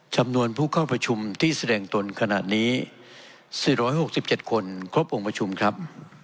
จำนวนผู้เข้าประชุมที่แสดงตนขนาดนี้๔๖๗คนครบองค์ประชุมครับ